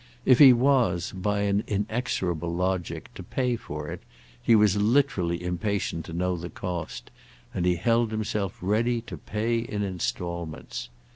If he was by an inexorable logic to pay for it he was literally impatient to know the cost, and he held himself ready to pay in instalments.